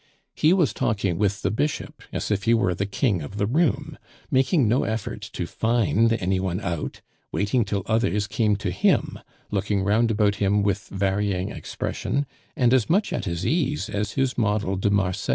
He was talking with the Bishop as if he were the king of the room; making no effort to find any one out, waiting till others came to him, looking round about him with varying expression, and as much at his ease as his model de Marsay.